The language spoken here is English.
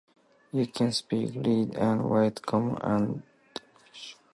You can speak, read, and write Common and Dwarvish.